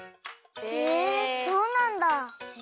へえそうなんだ。